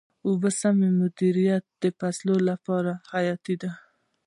د اوبو سم مدیریت د فصل لپاره حیاتي دی.